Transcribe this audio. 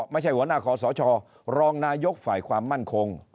ไม่ใช่หัวหน้าคอสชรองนายกฝ่ายความมั่นคง